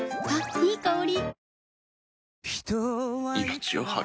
いい香り。